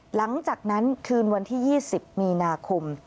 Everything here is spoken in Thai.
หลังจากนั้นคืนวันที่๒๐มีนาคม